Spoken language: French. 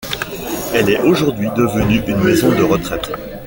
Elle est aujourd'hui devenue une maison de retraite.